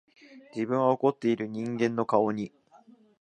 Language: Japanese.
自分は怒っている人間の顔に、